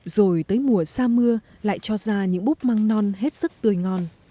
rồi tới mùa xa mưa lại cho ra những búp măng non hết sức tươi ngon